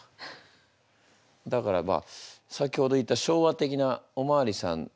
だからまあ先ほど言った昭和的なお巡りさん。